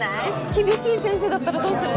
厳しい先生だったらどうする？